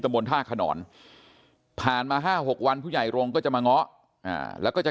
บนท่าขนอนผ่านมา๕๖วันผู้ใหญ่โรงก็จะมาเงาะแล้วก็จะ